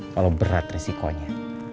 kalau berat resikonya